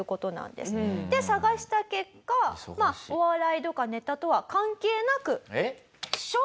で探した結果お笑いとかネタとは関係なく。